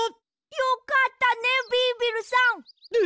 よかったねビービルさん！